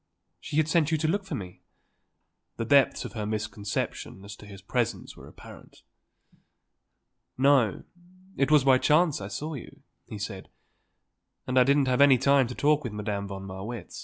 She had sent you to look for me?" The depths of her misconception as to his presence were apparent. "No; it was by chance I saw you," he said. "And I didn't have any talk with Madame von Marwitz."